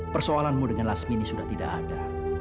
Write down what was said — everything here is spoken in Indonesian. persoalanmu dengan lasmini sudah tidak ada